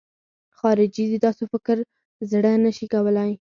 خارجي د داسې فکر زړه نه شي کولای.